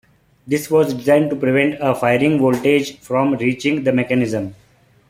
This was designed to prevent a firing voltage from reaching the mechanism.